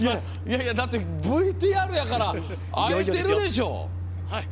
だって、ＶＴＲやから会えてるでしょ！